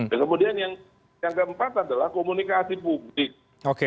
dan kemudian yang keempat adalah komunikasi publik